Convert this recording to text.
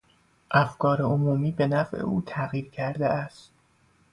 افکار عمومی به نفع او تغییر کرده است.